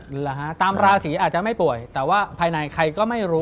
แหละฮะตามราศีอาจจะไม่ป่วยแต่ว่าภายในใครก็ไม่รู้